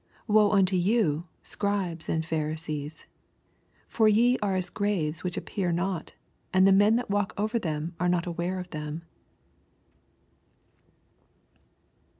44 Woe unto you, Scribes and Pha risees, hypocrites I for ye are as graves which appear not, ana the men that walk over ihem are not aware of them.